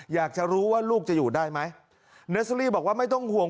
อยากจะรู้ว่าลูกจะอยู่ได้ไหมเนอร์เซอรี่บอกว่าไม่ต้องห่วง